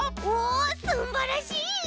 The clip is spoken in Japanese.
おすんばらしい！